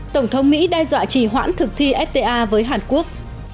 tổng thống mỹ đe dọa chỉ hoãn thực thi fta với hàn quốc